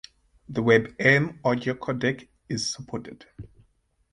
The WebM audio codec is supported.